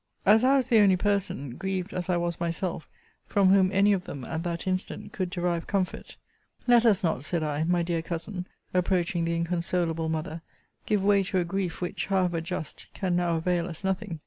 As I was the only person (grieved as I was myself) from whom any of them, at that instant, could derive comfort; Let us not, said I, my dear Cousin, approaching the inconsolable mother, give way to a grief, which, however just, can now avail us nothing.